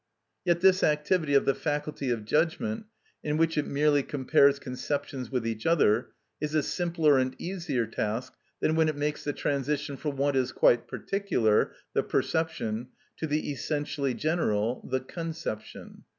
Yet this activity of the faculty of judgment, in which it merely compares conceptions with each other, is a simpler and easier task than when it makes the transition from what is quite particular, the perception, to the essentially general, the conception.